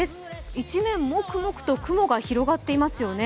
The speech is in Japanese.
一面、もくもくと雲が広がっていますよね。